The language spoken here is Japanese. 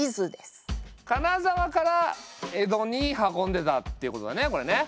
金沢から江戸に運んでたっていうことだねこれね。